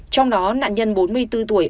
trong đó nạn nhân bốn mươi bốn tuổi